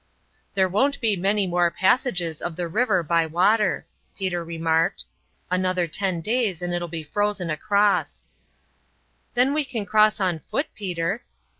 "There won't be many more passages of the river by water," Peter remarked. "Another ten days, and it'll be frozen across." "Then we can cross on foot, Peter."